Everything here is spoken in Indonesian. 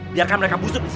biarkan mereka busuk disini